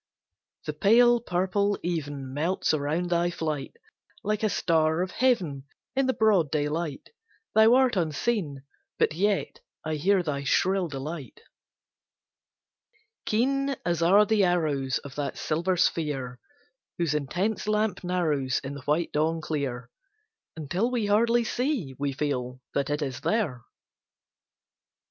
The pale purple even Melts around thy flight; Like a star of heaven In the broad daylight, Thou art unseen, but yet I hear thy shrill delight Keen as are the arrows Of that silver sphere Whose intense lamp narrows In the white dawn clear, Until we hardly see, we feel, that it is there.